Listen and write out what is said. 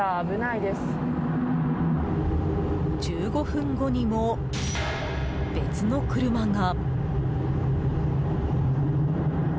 １５分後にも、別の車が。